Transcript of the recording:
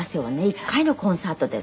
一回のコンサートで。